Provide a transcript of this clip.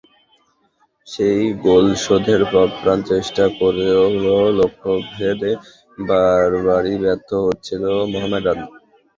সেই গোল শোধের আপ্রাণ চেষ্টা করেও লক্ষ্যভেদে বারবারই ব্যর্থ হচ্ছিল মোহামেডান।